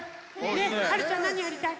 ねえはるちゃんなにやりたい？